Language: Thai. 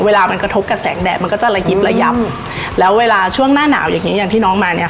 เวลามันกระทบกับแสงแดดมันก็จะระยิบระยับแล้วเวลาช่วงหน้าหนาวอย่างงี้อย่างที่น้องมาเนี้ยค่ะ